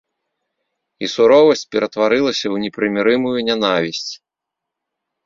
І суровасць ператварылася ў непрымірымую нянавісць.